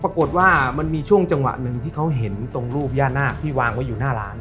ปรากฏว่ามันมีช่วงจังหวะหนึ่งที่เขาเห็นตรงรูปย่านาคที่วางไว้อยู่หน้าร้าน